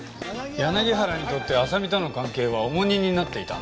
柳原にとって亜沙美との関係は重荷になっていたんだろう。